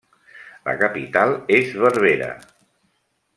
La capital és Berbera.